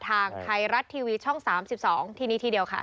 ทางไทยรัฐทีวีช่อง๓๒ที่นี้ทีเดียวค่ะ